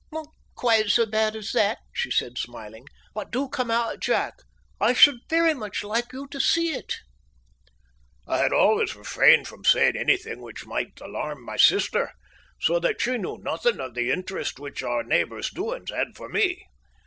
"Not quite so bad as that," she said, smiling. "But do come out, Jack. I should very much like you to see it." I had always refrained from saying anything which might alarm my sister, so that she knew nothing of the interest which our neighbours' doings had for me.